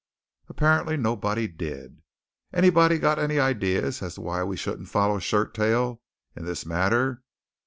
Apparently nobody did. "Anybody got any idees as to why we shouldn't follow Shirttail in this matter?